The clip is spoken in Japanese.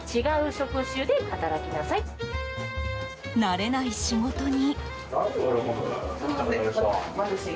慣れない仕事に。